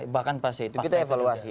bahkan pasca itu kita evaluasi